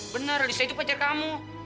benar alisa itu pacar kamu